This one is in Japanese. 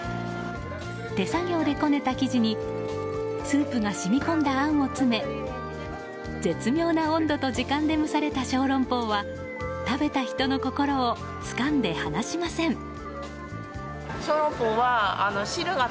手作業でこねた生地にスープが染み込んだあんを詰め絶妙な温度と時間で蒸された小龍包は食べた人の心をつかんで離しません。